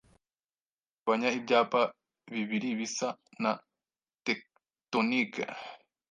Kugabanya ibyapa bibiri bisa na tectonic